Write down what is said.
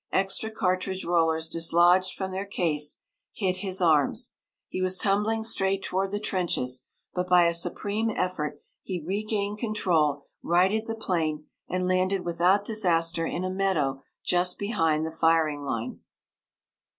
Extra cartridge rollers dislodged from their case hit his arms. He was tumbling straight toward the trenches, but by a supreme effort he regained control, righted the plane, and landed without disaster in a meadow just behind the firing line.